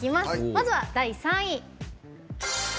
まずは第３位。